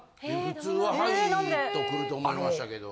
普通は「はい」とくると思いましたけど。